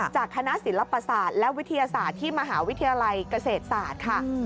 จากคณะศิลปศาสตร์และวิทยาศาสตร์ที่มหาวิทยาลัยเกษตรศาสตร์ค่ะ